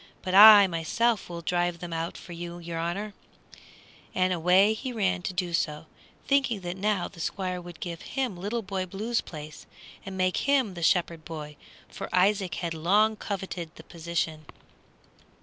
But I myself will drive them out for your honor," and away he ran to do so, thinking that now the Squire would give him Little Boy Blue's place, and make him the shepherd boy, for Isaac had long coveted the position.